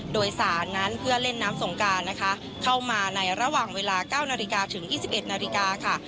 โดยสารนั้นเพื่อเล่นน้ำสงการนะคะเข้ามาในระหว่างเวลา๙นาฬิกาถึง๒๑นาฬิกาค่ะ